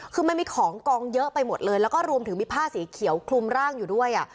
คือมันมีของกองเยอะไปหมดเลยแล้วก็รวมถึงมีผ้าสีเขียวคลุมร่างอยู่ด้วยอ่ะ